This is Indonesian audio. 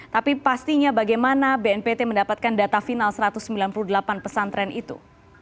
tapi pastinya bagaimana bnpt mendapatkan data final satu ratus sembilan puluh delapan pesantren itu